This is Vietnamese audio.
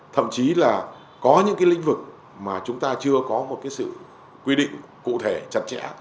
thậm chí là có những lĩnh vực mà chúng ta chưa có một quy định cụ thể chặt chẽ